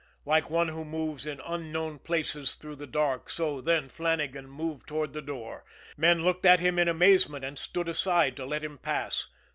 Like one who moves in unknown places through the dark, so, then, Flannagan moved toward the door. Men looked at him in amazement, and stood aside to let him pass.